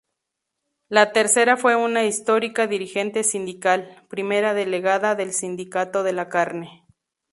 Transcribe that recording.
La tercera fue una histórica dirigente sindical, primera delegada del sindicato de la carne.